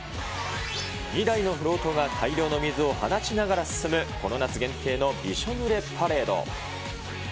２台のフロートが大量の水を放ちながら進む、この夏限定のびしょ濡れパレード。